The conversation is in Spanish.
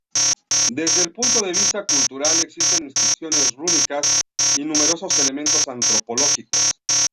Desde el punto de vista cultural, existen inscripciones rúnicas y numerosos elementos antropológicos.